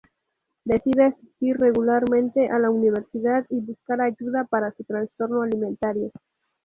Decide asistir regularmente a la universidad y buscar ayuda para su trastorno alimentario.